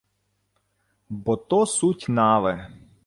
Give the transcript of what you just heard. — Бо то суть нави.